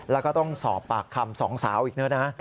แล้วก็ต้องสอบปากคำสองสาวอีกด้วยนะ